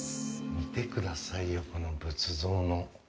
見てくださいよ、この仏像の。